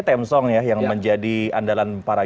temsong ya yang menjadi andalan para